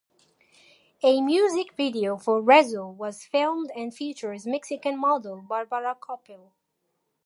A music video for "Rezo" was filmed and features Mexican model Barbara Coppel.